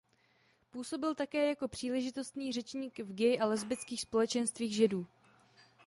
Působil také jako příležitostný řečník v gay a lesbických společenstvích Židů.